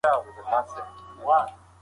خبریال اوس د خپلې بې پاڼې انتظار کوي.